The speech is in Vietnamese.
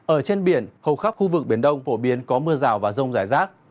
ở trên biển hầu khắp khu vực biển đông phổ biến có mưa rào và rông rải rác